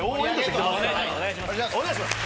お願いします。